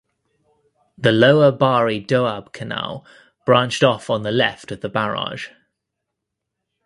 The Lower Bari Doab Canal branched off on the left of the barrage.